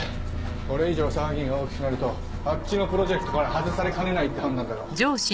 これ以上騒ぎが大きくなるとあっちのプロジェクトから外されかねないって判断だろう。